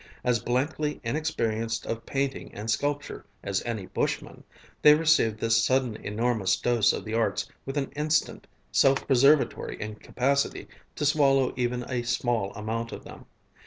As blankly inexperienced of painting and sculpture as any Bushmen, they received this sudden enormous dose of those arts with an instant, self preservatory incapacity to swallow even a small amount of them.